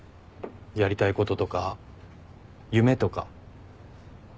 やりたいこととか夢とか。